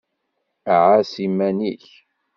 Ɛas iman-ik!